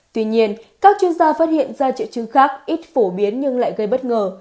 tuy nhiên các chuyên gia phát hiện ra triệu chứng khác ít phổ biến nhưng lại gây bất ngờ